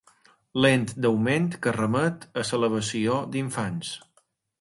Lent d'augment que remet a l'elevació d'infants.